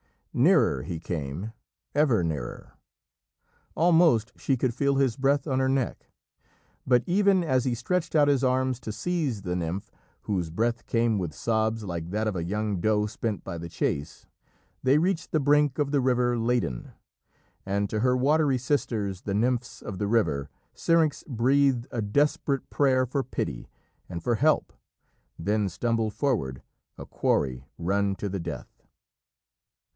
Nearer he came, ever nearer. Almost she could feel his breath on her neck; but even as he stretched out his arms to seize the nymph whose breath came with sobs like that of a young doe spent by the chase, they reached the brink of the river Ladon. And to her "watery sisters" the nymphs of the river, Syrinx breathed a desperate prayer for pity and for help, then stumbled forward, a quarry run to the death.